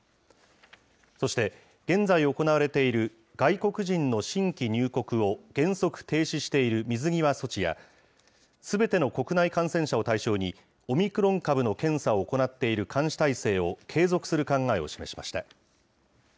そして、現在行われている外国人の新規入国を原則停止している水際措置や、すべての国内感染者を対象に、オミクロン株の検査を行っている監視態勢を継続する考えを示しました。